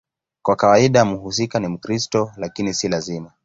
Kwa kawaida mhusika ni Mkristo, lakini si lazima.